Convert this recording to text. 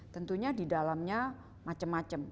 tentunya di dalamnya macam macam